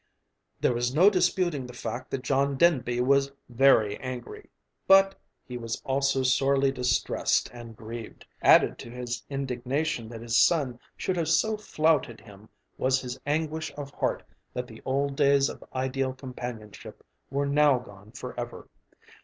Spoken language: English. There was no disputing the fact that John Denby was very angry. But he was also sorely distressed and grieved. Added to his indignation that his son should have so flouted him was his anguish of heart that the old days of ideal companionship were now gone forever.